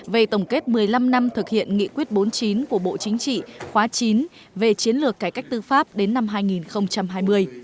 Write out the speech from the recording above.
về tổng kết một mươi năm năm thực hiện nghị quyết bốn mươi chín của bộ chính trị khóa chín về chiến lược cải cách tư pháp đến năm hai nghìn hai mươi